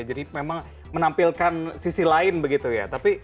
jadi memang menampilkan sisi lain begitu ya tapi